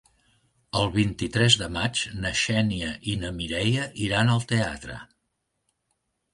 El vint-i-tres de maig na Xènia i na Mireia iran al teatre.